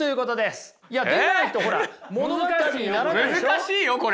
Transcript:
難しいよこれ。